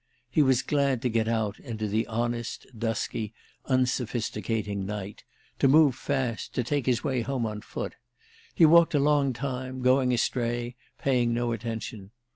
He was glad to get out into the honest dusky unsophisticating night, to move fast, to take his way home on foot. He walked a long time, going astray, paying no attention.